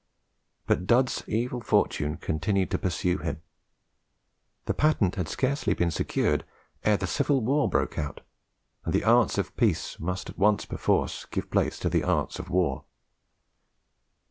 But Dud's evil fortune continued to pursue him. The patent had scarcely been securedere the Civil War broke out, and the arts of peace must at once perforce give place to the arts of war.